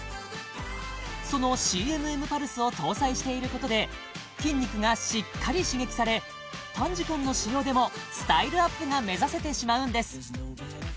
そのＣＭＭパルスを搭載していることで筋肉がしっかり刺激され短時間の使用でもスタイルアップが目指せてしまうんです